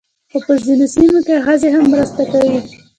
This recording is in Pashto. خو په ځینو سیمو کې ښځې هم مرسته کوي.